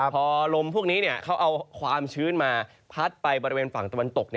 พอลมพวกนี้เขาเอาความชื้นมาพัดไปบริเวณฝั่งตะวันตก